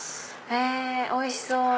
へぇおいしそう！